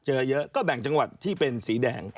เยอะก็แบ่งจังหวัดที่เป็นสีแดง